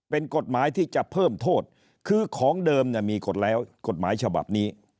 เป็นกฎหมายที่จะเพิ่มโทษคือของเดิมเนี่ยมีกฎแล้วกฎหมายฉบับนี้